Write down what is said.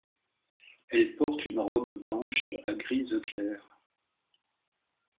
Elle porte une robe blanche à grise clair.